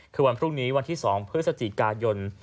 คือวันพรุ่งนี้วันที่๒เพื่อสะจิกกาศยนต์